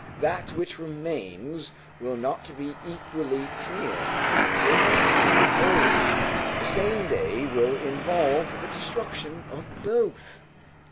That which remains will not be equally dear, will not be whole: the same day will involve the destruction of both."